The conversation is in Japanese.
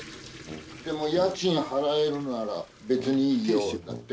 「でも家賃払えるなら別にいいよ」だって。